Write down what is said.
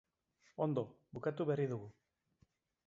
Ondo, bukatu berri dugu.